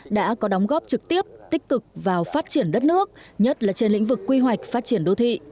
đã có đóng góp trực tiếp tích cực vào phát triển đất nước nhất là trên lĩnh vực quy hoạch phát triển đô thị